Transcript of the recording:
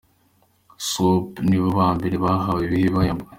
Swope nibo ba mbere bahawe ibi bihembo.